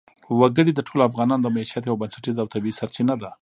وګړي د ټولو افغانانو د معیشت یوه بنسټیزه او طبیعي سرچینه ده.